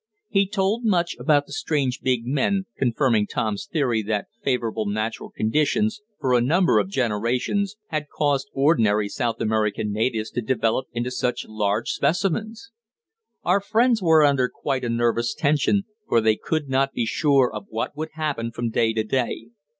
He told much about the strange big men, confirming Tom's theory that favorable natural conditions, for a number of generations, had caused ordinary South American natives to develope into such large specimens. Our friends were under quite a nervous tension, for they could not be sure of what would happen from day to day.